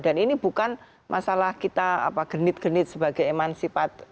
dan ini bukan masalah kita genit genit sebagai emansipat